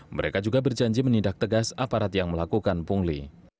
mereka juga berjanji menindak tegas aparat yang melakukan pungli